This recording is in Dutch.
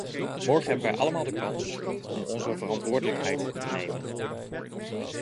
Morgen hebben we allemaal de kans onze verantwoordelijkheid te nemen.